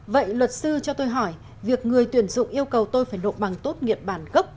vậy luật sư cho tôi hỏi việc người tuyển dụng yêu cầu tôi phải nộp bằng tốt nghiệp bản gốc